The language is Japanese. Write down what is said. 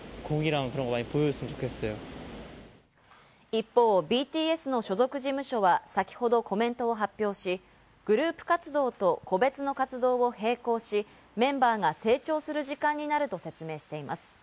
一方、ＢＴＳの所属事務所は先ほどコメントを発表し、グループ活動と個別の活動を並行し、メンバーが成長する時間になると説明しています。